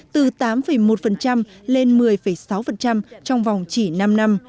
từ tám một lên một mươi sáu trong vòng chỉ năm năm